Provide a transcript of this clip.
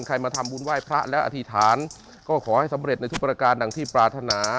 มาทำบุญไหว้พระและอธิษฐานก็ขอให้สำเร็จในทุกประการดังที่ปรารถนา